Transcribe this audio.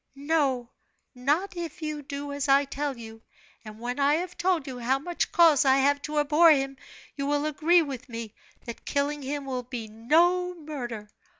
"No, not if you do as I tell you; and when I have told you how much cause I have to abhor him, you will agree with me that killing him will be no murder!